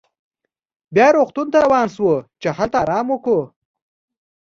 بیا روغتون ته روان شوو چې هلته ارام وکړو.